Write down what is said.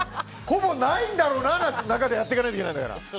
ほぼないんだろうなって中でやっていかないといけないから。